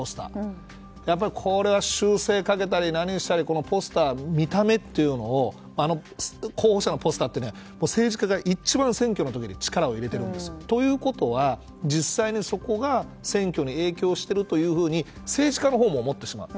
やっぱりこれは修正かけたりとかポスターの見た目を、候補者のポスターって政治家が一番選挙の時に力を入れているんですよ。ということは実際に、そこが選挙に影響しているというふうに政治家のほうも思ってしまう。